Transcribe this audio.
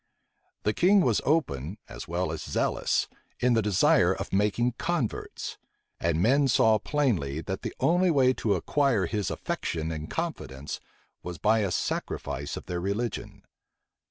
The king was open, as well as zealous, in the desire of making converts; and men plainly saw, that the only way to acquire his affection and confidence was by a sacrifice of their religion.